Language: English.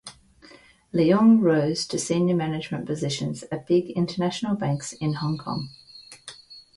Leung rose to senior management positions at big international banks in Hong Kong.